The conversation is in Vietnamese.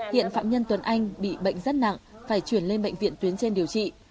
hiện phạm nhân tuấn anh bị bệnh rất nặng phải chuyển lên bệnh viện tuyến trên điều trị